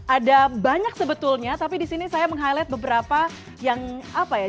ada banyak sebetulnya tapi di sini saya meng highlight beberapa yang apa ya